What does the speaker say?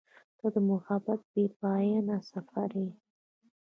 • ته د محبت بېپایانه سفر یې.